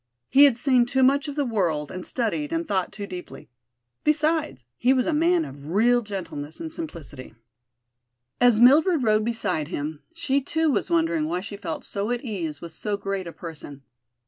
He had seen too much of the world and studied and thought too deeply. Besides, he was a man of real gentleness and simplicity. As Mildred rode beside him, she too was wondering why she felt so at ease with so great a person.